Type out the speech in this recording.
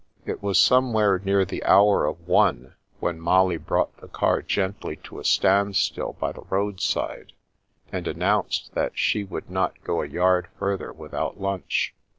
It was somewhere near the hour of one when Molly brought the car gently td a standstill by the roadside, and announced that she would not go a yard further without lunch.